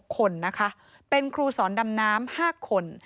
คนนะคะเป็นครูสอนดำน้ำ๕คน